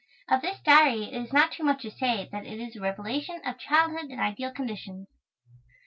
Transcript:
Of this Diary it is not too much to say that it is a revelation of childhood in ideal conditions.